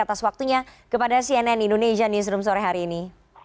atas waktunya kepada cnn indonesia newsroom sore hari ini